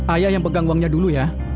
ayah yang pegang uangnya dulu ya